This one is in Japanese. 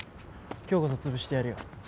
今日こそ潰してやるよ。